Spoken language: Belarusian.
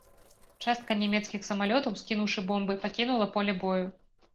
Частка нямецкіх самалётаў, скінуўшы бомбы, пакінула поле бою.